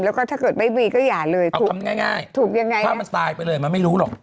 แล้วก็ถ้าเกิดไม่มีก็อย่าเลยถูกทำง่ายถูกยังไงถ้ามันตายไปเลยมันไม่รู้หรอก